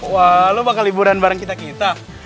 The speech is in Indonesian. wah lo bakal liburan bareng kita kita